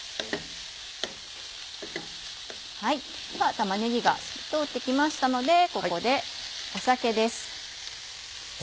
玉ねぎが透き通って来ましたのでここで酒です。